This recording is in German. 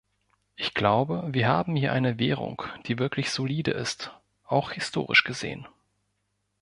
Ich glaube, wir haben hier eine Währung, die wirklich solide ist auch historisch gesehen.